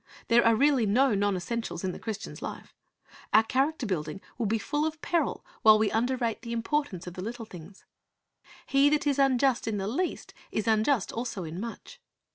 There are really no non essentials in the Christian's life. Our character building will be full of peril while we underrate the importance of the little things. "He that is unjust in the least is unjust also in much."